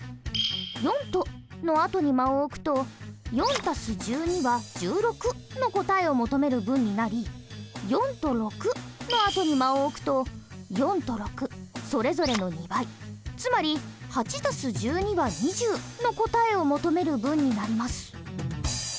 「四と」のあとに間を置くと「４＋１２＝１６」の答えを求める文になり「四と六」のあとに間を置くと４と６それぞれの２倍つまり「８＋１２＝２０」の答えを求める文になります。